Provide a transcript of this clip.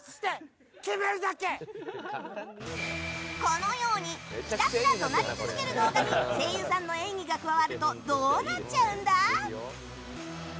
このようにひたすら怒鳴り続ける動画に声優さんの演技が加わるとどうなっちゃうんだ？